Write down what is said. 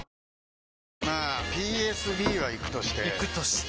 まあＰＳＢはイクとしてイクとして？